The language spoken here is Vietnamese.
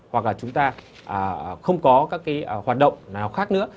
hoặc là chúng ta không có các cái hoạt động nào khác nữa